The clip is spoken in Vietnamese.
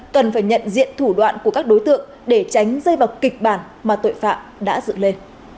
cần phải nhận diện thủ đoạn của các đối tượng để tránh dây vào kịch bản mà tội phạm đã dự lê